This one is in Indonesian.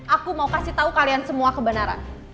aku mau kasih tahu kalian semua kebenaran